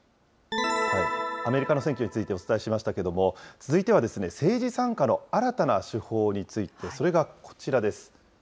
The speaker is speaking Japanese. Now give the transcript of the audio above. アメリカの選挙についてお伝えしましたけれども、続いては、政治参加の新たな手法について、それがこちらです。